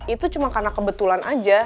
itu cuma karena kebetulan aja